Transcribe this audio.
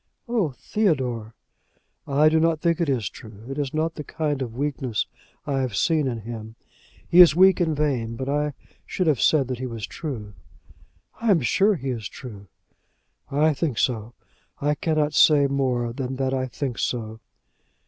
"Oh, Theodore." "I do not think it is true. It is not the kind of weakness I have seen in him. He is weak and vain, but I should have said that he was true." "I am sure he is true." "I think so. I cannot say more than that I think so."